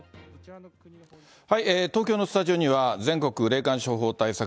東京のスタジオには全国霊感商法対策